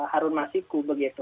harun masiku begitu